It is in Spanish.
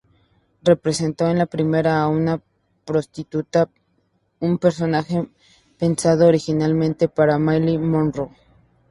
Representó en la primera a una prostituta, un personaje pensado originalmente para Marilyn Monroe.